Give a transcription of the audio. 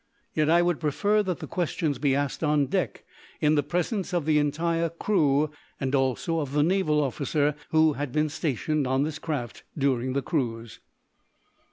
Yet I would prefer that the questions be asked on deck, in the presence of the entire crew, and also of the naval officer who had been stationed on this craft during the cruise."